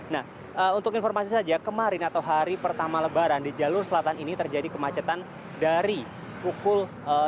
nah untuk informasi saja kemarin atau hari pertama lebaran di jalur selatan ini terjadi kemacetan dari pukul